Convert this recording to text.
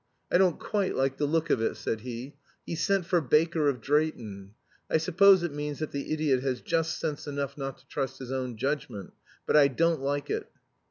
"I don't quite like the look of it," said he; "he's sent for Baker of Drayton I suppose it means that the idiot has just sense enough not to trust his own judgment. But I don't like it."